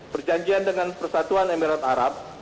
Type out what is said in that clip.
perjanjian dengan persatuan emirat arab